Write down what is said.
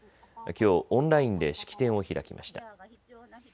きょう、オンラインで式典を開きました。